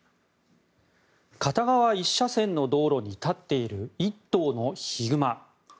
片側１車線の道路に立っている１頭のヒグマ。